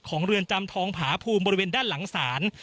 เรือนจำทองผาภูมิบริเวณด้านหลังศาล